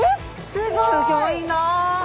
すギョいな。